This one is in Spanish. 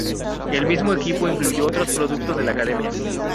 El mismo equipo incluyó otros productos de la academia.